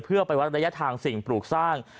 เพื่อบรรยายทางสิ่งปลูกสร้าง